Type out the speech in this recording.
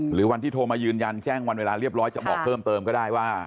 หรือวันที่โทรมายืนยันแจ้งวันเวลาเรียบร้อยจะบอกเพิ่มเติมก็ได้ว่า